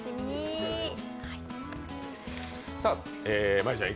真悠ちゃん